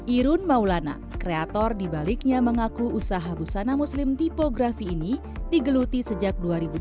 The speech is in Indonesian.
irun maulana kreator dibaliknya mengaku usaha busana muslim tipografi ini digeluti sejak dua ribu tujuh belas